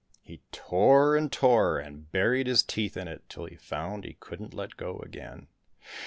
He tore and tore, and buried his teeth in it till he found he couldn't let go again.